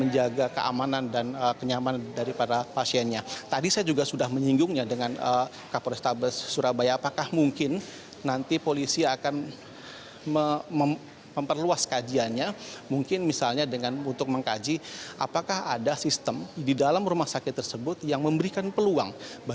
jadi ini adalah hal yang sangat mengkhawatirkan